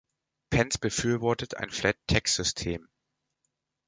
Pence befürwortet ein Flat Tax-System.